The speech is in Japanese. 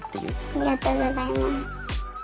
ありがとうございます。